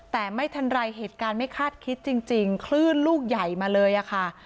แต่ไม่ทันไรเหตุการณ์ไม่คาดคิดจริงคลื่นลูกใหญ่มาเลยอะค่ะ